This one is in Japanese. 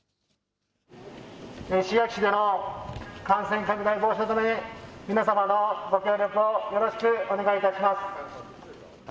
石垣市での感染拡大防止のため、皆様のご協力をよろしくお願いいたします。